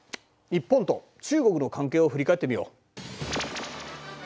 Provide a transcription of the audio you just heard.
日本と中国の関係を振り返ってみよう。